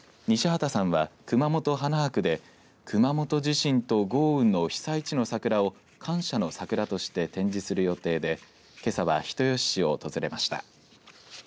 西畠さんは、熊本花博で熊本地震と豪雨の被災地のサクラを感謝のサクラとして展示する予定でけさは人吉市を訪れました。